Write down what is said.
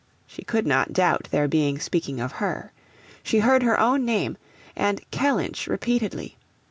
She could not doubt their being speaking of her. She heard her own name and Kellynch repeatedly.